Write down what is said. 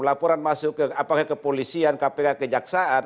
laporan masuk apakah ke polisian kpk ke jaksaan